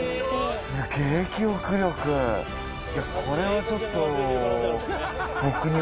これはちょっと。